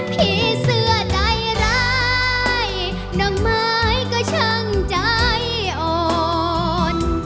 พี่เสื้อลายร้ายน้องไม้ก็ช่างใจอ่อน